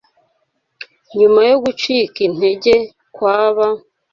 Nyuma yo gucika intege kw’aba